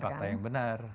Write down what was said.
dengan fakta yang benar